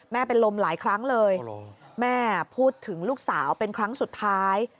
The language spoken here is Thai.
เป็นลมหลายครั้งเลยแม่พูดถึงลูกสาวเป็นครั้งสุดท้าย